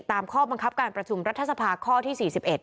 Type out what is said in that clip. ตามข้อบังคับการประชุมรัฐสภาข้อที่๔๑